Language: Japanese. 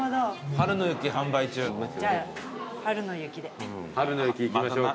春ノ雪いきましょうか。